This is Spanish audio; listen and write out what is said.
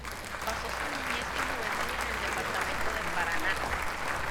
Pasó su niñez y juventud en el departamento de Paraná.